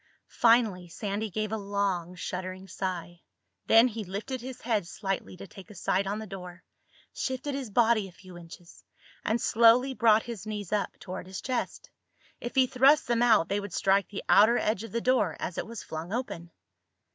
Finally Sandy gave a long, shuddering sigh. Then he lifted his head slightly to take a sight on the door, shifted his body a few inches, and slowly brought his knees up toward his chest. If he thrust them out they would strike the outer edge of the door as it was flung open.